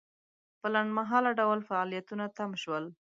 په لنډمهاله ډول فعالیتونه تم شول.